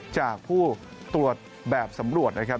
จากผู้ตรวจแบบสำรวจนะครับ